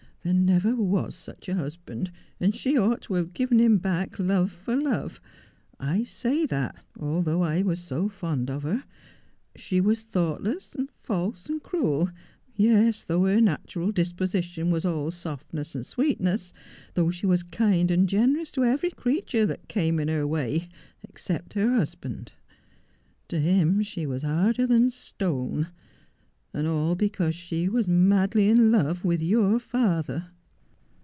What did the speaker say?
There never was such a husband, and she ought to have given him back love for love. I say that, although I was so fond of her. She was thoughtless, false, cruel — yes, though her natural disposition was all softness and sweetness — though she was kind and generous to every creature that came in her way, except her husband. To him she was harder than stone, and all because she was madly in love with your father.'